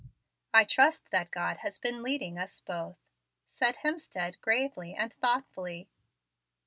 "I trust that God has been leading us both," said Hemstead, gravely and thoughtfully.